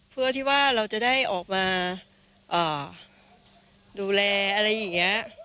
เพื่อที่ว่าเราจะได้ออกมาดูแลอะไรอย่างนี้